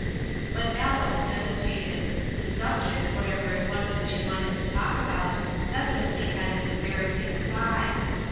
BUT Alice hesitated. The subject, what ever it was that she wanted to talk about, evidently had its embarrassing side.